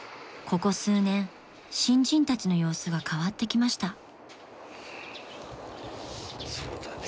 ［ここ数年新人たちの様子が変わってきました］